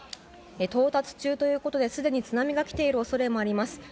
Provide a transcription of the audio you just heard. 到達中ということですでに津波が来ている恐れもあります。